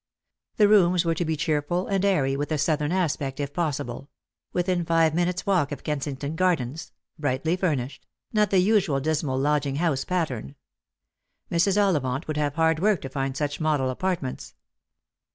The rooms were to be cheerful and airy, with a southern aspect, if possible ; within five minutes' walk of Kensington Gardens ; brightly furnished ; not the usual dismal lodging house pattern. Mrs. Ollivant would have hard work to find such model apartments.